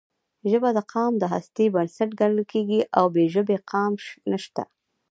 ژبه د قام د هستۍ بنسټ ګڼل کېږي او بې ژبې قام نشته.